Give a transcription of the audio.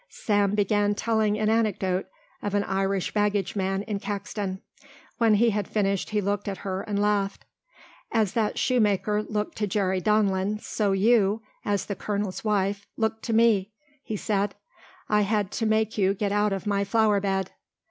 Sam began telling an anecdote of an Irish baggage man in Caxton. When he had finished he looked at her and laughed. "As that shoemaker looked to Jerry Donlin so you, as the colonel's wife, looked to me," he said. "I had to make you get out of my flower bed."